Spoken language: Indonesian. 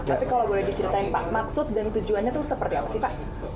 tapi kalau boleh diceritain pak maksud dan tujuannya itu seperti apa sih pak